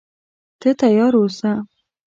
ته تیار اوسه.